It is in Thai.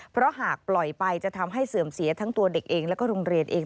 เพราะหากปล่อยไปจะทำให้เสื่อมเสียทั้งตัวเด็กเองแล้วก็โรงเรียนเอง